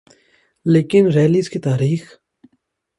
لیکن ریلیز کی تاریخ